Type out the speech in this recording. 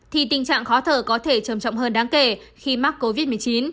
thì tình trạng khó thở có thể trầm trọng hơn đáng kể khi mắc covid một mươi chín